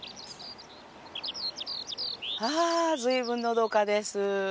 あぁ、随分のどかです。